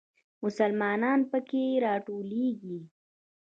مسلمانان په کې راټولېږي.